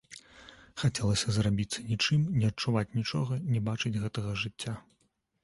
Хацелася зрабіцца нічым, не адчуваць нічога, не бачыць гэтага жыцця.